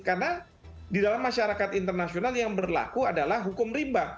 karena di dalam masyarakat internasional yang berlaku adalah hukum rimba